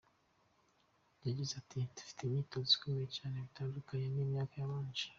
Yagize ati “Dufite imyitozo ikomeye cyane bitandukanye n’imyaka yabanje.